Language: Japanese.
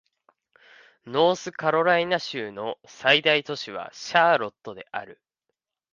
ノースカロライナ州の最大都市はシャーロットである